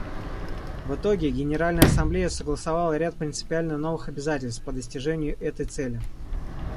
В итоге Генеральная Ассамблея согласовала ряд принципиально новых обязательств по достижению этой цели.